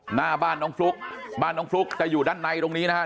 หน้าบ้านน้องฟลุ๊กบ้านน้องฟลุ๊กจะอยู่ด้านในตรงนี้นะครับ